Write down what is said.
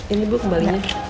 ini bu kembalinya